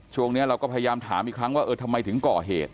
ช่วงนี้เราก็พยายามถามอีกครั้งว่าเออทำไมถึงก่อเหตุ